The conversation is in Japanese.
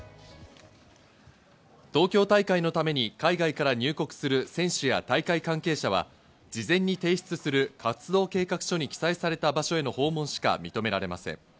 東京大会のために海外から入国する選手や大会関係者は、事前に提出する活動計画書に記載された場所への訪問しか認められません。